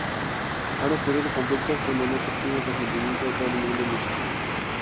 Han ocurrido conflictos cuando no se obtiene el consentimiento de todos los niveles mencionados.